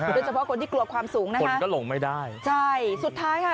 โดยเฉพาะคนที่กลัวความสูงนะคะคนก็หลงไม่ได้ใช่สุดท้ายค่ะ